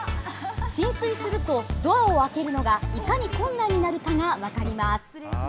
浸水すると、ドアを開けるのがいかに困難になるかが分かります。